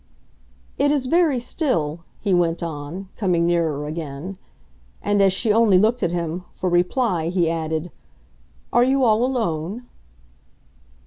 "It is very still," he went on, coming nearer again. And as she only looked at him, for reply, he added, "Are you all alone?"